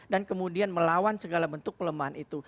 dan kemudian melawan segala bentuk pelemahan itu